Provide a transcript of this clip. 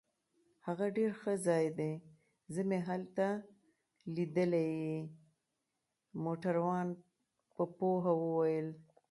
هغه ډیر ښه ځای دی، زه مې هلته لیدلی يې. موټروان په پوهه وویل.